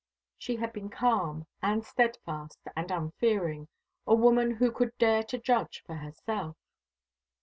She had been calm, and steadfast, and unfearing, a woman who could dare to judge for herself.